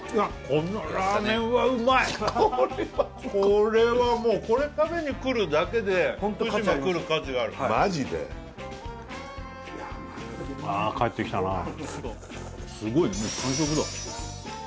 このラーメンはうまいこれはこれはもうこれ食べにくるだけで福島くる価値があるマジですごいねもう完食だ